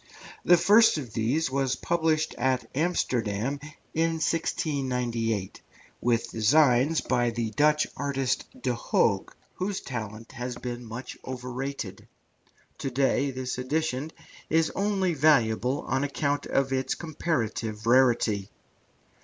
The first of these was published at Amsterdam in 1698, with designs by the Dutch artist, Roman de Hooge, whose talent has been much overrated. To day this edition is only valuable on account of its comparative rarity.